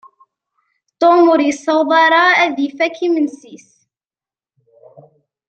Tom ur yessaweḍ ara ad ifakk imensi-s.